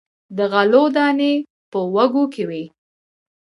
د غلو دانې په وږو کې وي.